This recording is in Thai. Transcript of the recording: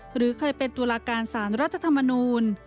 หรือเคยเป็นตุลาการสารรัฐธรรมนูล